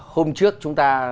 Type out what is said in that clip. hôm trước chúng ta